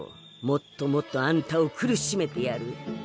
もっともっとあんたを苦しめてやる。